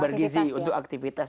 bergizi untuk aktivitas